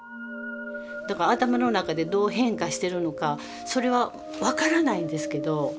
だから頭の中でどう変化してるのかそれは分からないんですけど。